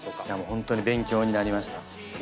本当に勉強になりました。